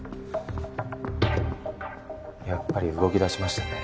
やっぱり動き出しましたね。